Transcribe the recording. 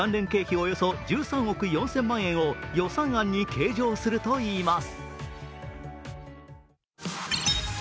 およそ１３億４０００万円を予算案に計上するといいます。